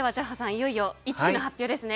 いよいよ１位の発表ですね。